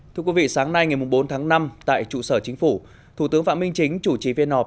thưa quý vị sáng nay ngày bốn tháng năm tại trụ sở chính phủ thủ tướng phạm minh chính chủ trì phiên họp